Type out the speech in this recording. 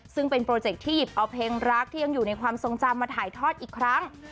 ซึ่งเป็นโปรเจคที่หยิบเอาเพลงรักที่ยังอยู่ในความทรงจำมาถ่ายทอดอีกครั้ง